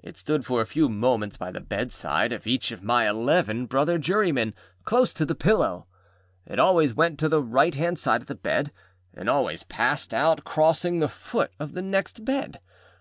It stood for a few moments by the bedside of each of my eleven brother jurymen, close to the pillow. It always went to the right hand side of the bed, and always passed out crossing the foot of the next bed.